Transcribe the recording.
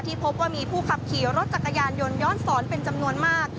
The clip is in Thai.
พบว่ามีผู้ขับขี่รถจักรยานยนต์ย้อนสอนเป็นจำนวนมาก